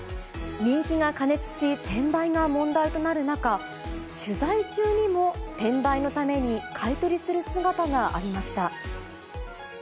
人気が過熱し、転売が問題となる中、取材中にも、転売のために買い取りする姿がありました。